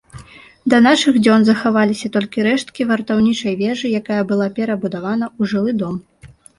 Да нашых дзён захаваліся толькі рэшткі вартаўнічай вежы, якая была перабудавана ў жылы дом.